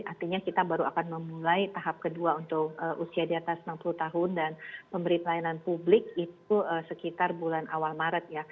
artinya kita baru akan memulai tahap kedua untuk usia di atas enam puluh tahun dan pemberi pelayanan publik itu sekitar bulan awal maret ya